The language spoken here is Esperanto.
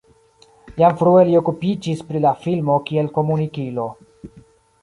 Jam frue li okupiĝis pri la filmo kiel komunikilo.